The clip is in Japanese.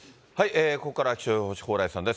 ここからは気象予報士、蓬莱さんです。